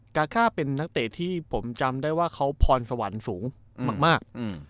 กาค่าเป็นนักเตะที่ผมจำได้ว่าเขาพรสวรรค์สูงมาก